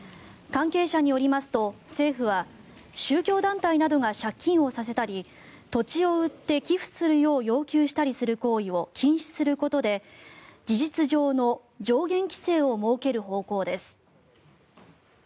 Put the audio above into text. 関係者によりますと、政府は宗教団体などが借金をさせたり土地を売って寄付するよう要求したりする行為を禁止することで事実上の上限規制を設ける方向です。